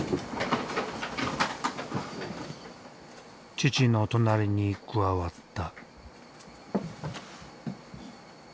父の隣に加わった。